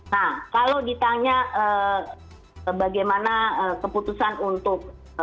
nah kalau ditanya bagaimana keputusan untuk